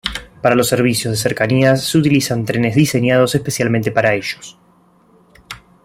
Para los servicios de cercanías se utilizan trenes diseñados especialmente para ellos.